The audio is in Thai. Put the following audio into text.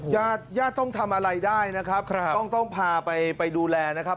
ยาตรต้องทำอะไรได้นะครับครับต้องต้องพาไปไปดูแลนะครับ